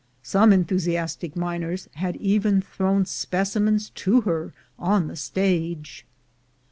Some enthusiastic miners had even thrown specimens to her on the stage.